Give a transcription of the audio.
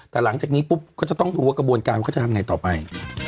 แต่หลังจากนี้ปุ๊บก็จะต้องดูว่ากระบวนการเขาจะทำไงต่อไป